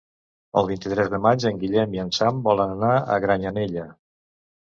El vint-i-tres de maig en Guillem i en Sam volen anar a Granyanella.